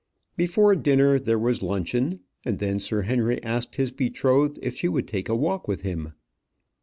Before dinner, there was luncheon; and then Sir Henry asked his betrothed if she would take a walk with him.